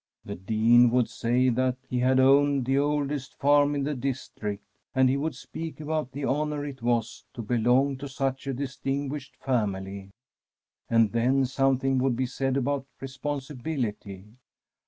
The Dean would say that he had owned the oldest farm in the district, and he would speak about the honour it was to belong to such a distinguished family, and then something would be said about responsi bility.